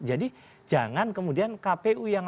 jadi jangan kemudian kpu yang